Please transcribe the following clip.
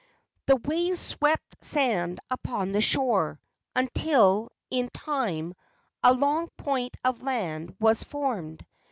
The waves swept sand upon the shore until in time a long point of land was formed.